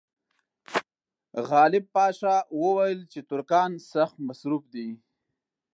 غالب پاشا وویل چې ترکان سخت مصروف دي.